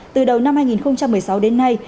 từ đầu năm hai nghìn một mươi sáu đến nay